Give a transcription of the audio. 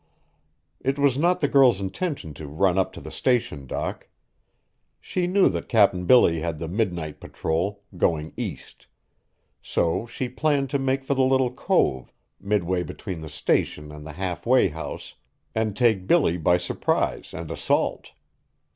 It was not the girl's intention to run up to the Station dock. She knew that Cap'n Billy had the midnight patrol, going east; so she planned to make for the little cove, midway between the Station and the halfway house, and take Billy by surprise and assault.